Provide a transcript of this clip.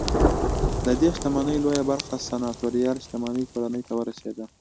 ددې شتمنۍ لویه برخه سناتوریال شتمنۍ کورنۍ ته ورسېده